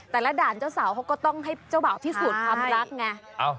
แต่ละด่านเจ้าสาวก็ต้องให้เจ้าเปล่าที่สุดความรักไง